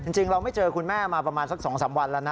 จริงเราไม่เจอคุณแม่มาประมาณสัก๒๓วันแล้วนะ